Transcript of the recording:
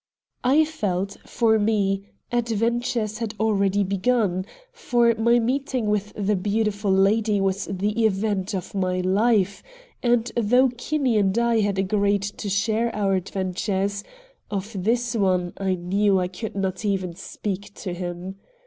II I felt, for me, adventures had already begun, for my meeting with the beautiful lady was the event of my life, and though Kinney and I had agreed to share our adventures, of this one I knew I could not even speak to him.